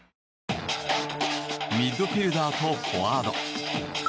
ミッドフィールダーとフォワード。